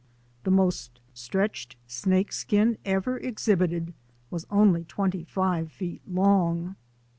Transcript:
The most stretched snake skin ever exhibited was only twenty five feet long.